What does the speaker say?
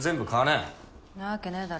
んなわけねぇだろ。